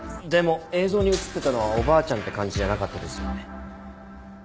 でも映像に写ってたのはおばあちゃんって感じじゃなかったですよね。